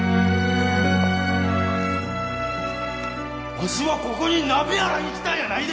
わしはここに鍋洗いに来たんやないで！